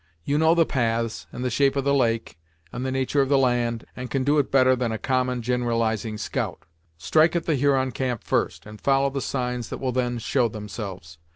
You know the paths, and the shape of the lake, and the natur' of the land, and can do it better than a common, gin'ralizing scout. Strike at the Huron camp first, and follow the signs that will then show themselves.